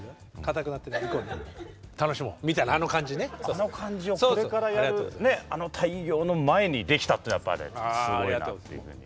あの感じをこれからやるあの大業の前にできたってやっぱりすごいなっていうふうに。